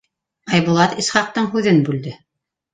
Айбулат Исхаҡтың һүҙен бүлде: